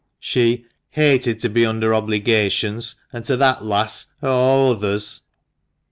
She "hated to be under obligations, and to that lass o' a' others."